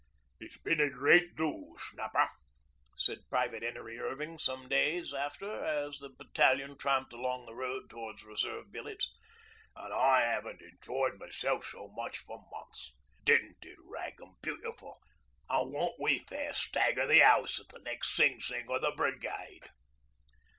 'It's been a great do, Snapper,' said Private 'Enery Irving some days after, as the battalion tramped along the road towards 'reserve billets.' 'An' I 'aven't enjoyed myself so much for months. Didn't it rag 'em beautiful, an' won't we fair stagger the 'ouse at the next sing sing o' the brigade?'